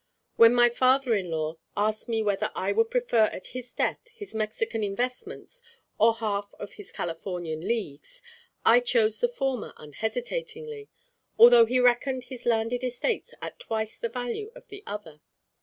When my father in law asked me whether I would prefer at his death his Mexican investments or half of his Californian leagues, I chose the former unhesitatingly: although he reckoned his landed estates at twice the value of the other.